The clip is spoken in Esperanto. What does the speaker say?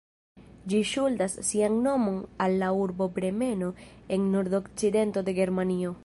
Ĝi ŝuldas sian nomon al la urbo Bremeno en nordokcidento de Germanio.